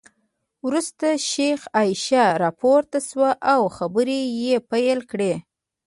وروسته شیخه عایشه راپورته شوه او خبرې یې پیل کړې.